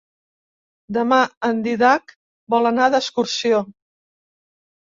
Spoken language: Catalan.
Demà en Dídac vol anar d'excursió.